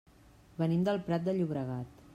Venim del Prat de Llobregat.